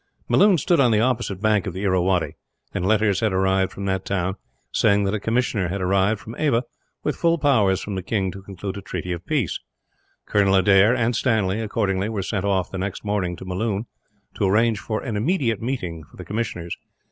Melloon stood on the opposite bank of the Irrawaddy; and letters had arrived from that town saying that a commissioner had arrived, from Ava, with full powers from the king to conclude a treaty of peace. Colonel Adair and Stanley, accordingly, were sent off the next morning to Melloon, to arrange for an immediate meeting for the commissioners.